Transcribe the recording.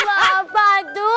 dajem apa tuh